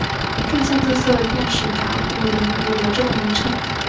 这项特色便使打鼓岭有了这个名称。